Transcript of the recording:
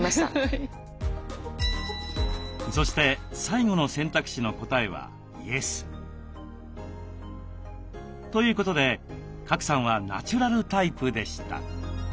そして最後の選択肢の答えはイエス。ということで賀来さんはナチュラルタイプでした。